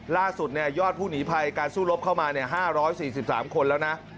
ล่าสุดยอดผู้หนีภัยการสู้รบเข้ามา๕๔๓คนแล้วนะ